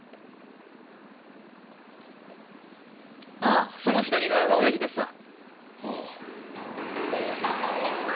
ああその左側がおやじですわ。